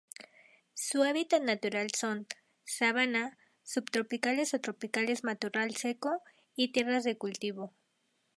Su hábitat natural son: sabana, subtropicales o tropicales matorral seco, y tierras de cultivo.